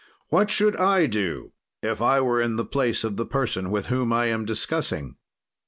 "What should I do if I were in the place of the person with whom I am discussing?